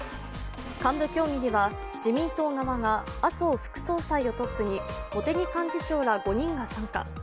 幹部協議には自民党側が麻生副総裁をトップに茂木幹事長ら５人が参加。